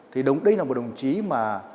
thì đây là một đồng chí mà